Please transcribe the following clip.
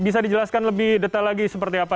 bisa dijelaskan lebih detail lagi seperti apa